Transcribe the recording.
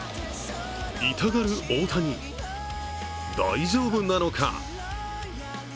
痛がる大谷大丈夫なのか？